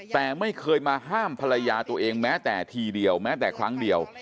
แต่ไม่เคยมาห้ามภรรยาตัวเองแม้แต่ทีเดียวแม้แต่ครั้งเดียว